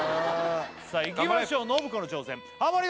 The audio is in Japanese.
さあいきましょう信子の挑戦ハモリ